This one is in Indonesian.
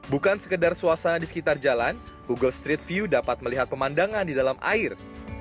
bukan sekedar suasana di sekitar jalan google street view dapat melihat pemandangan di dalam air